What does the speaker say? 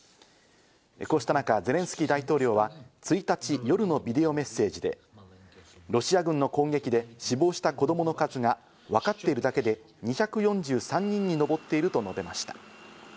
こうした中、ゼレンスキー大統領は１日夜のビデオメッセージでロシア軍の攻撃で死亡した子供の数がわかっているだけで２４３人に上っていると述べました。